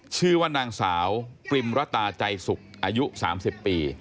ชื่อว่านางสาวปริมระตาใจสุขอายุ๓๐ปี